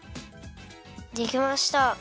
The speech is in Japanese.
できました。